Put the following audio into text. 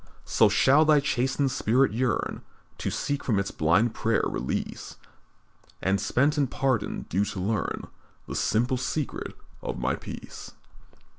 "So shall thy chastened spirit yearn To seek from its blind prayer release, And spent and pardoned, sue to learn The simple secret of My peace.